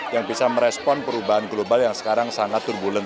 yang bisa merespon perubahan global yang sekarang sangat turbulen